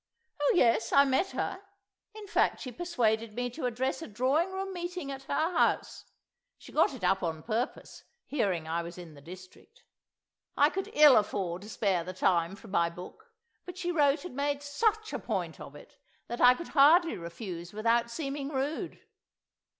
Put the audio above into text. ... Oh, yes, I met her; in fact she persuaded me to address a drawing room meeting at her house; she got it up on purpose, hearing I was in the district. I could ill afford to spare the time from my book; but she wrote and made such a point of it, that I could hardly refuse without seeming rude.